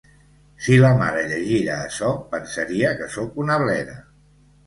Si la mare llegira açò, pensaria que sóc una bleda.